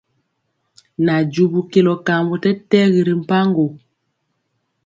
Najubu kelɔ kambɔ tɛtɛgi ri mpaŋgo.